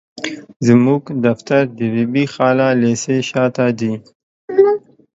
زموږ دفتر د بي بي خالا ليسي شاته دي.